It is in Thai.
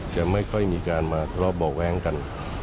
จะไม่ค่อยมีการมาทะเลาะเบาะแว้งกัน